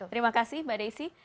terima kasih mbak desi